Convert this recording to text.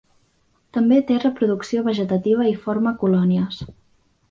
També té reproducció vegetativa i forma colònies.